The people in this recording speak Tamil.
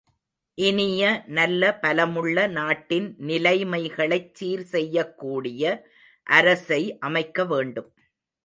இனிய, நல்ல, பலமுள்ள நாட்டின் நிலைமைகளைச் சீர் செய்யக் கூடிய அரசை அமைக்க வேண்டும்.